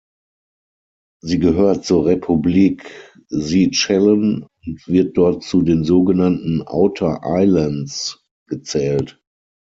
Sie gehört zur Republik Seychellen und wird dort zu den sogenannten Outer Islands gezählt.